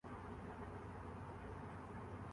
میں نے ٹام کو بتایا میرا چلنے کا موڈ نہیں ہے